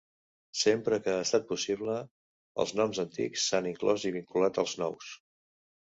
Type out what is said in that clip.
Sempre que ha estat possible, els noms antics s'han inclòs i vinculat als nous.